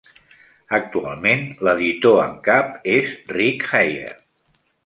Actualment l'editor en cap és Rich Haier.